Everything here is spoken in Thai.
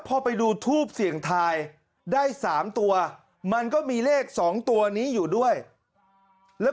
พอไปดูทูบเสี่ยงทายได้๓ตัวมันก็มีเลข๒ตัวนี้อยู่ด้วยแล้ว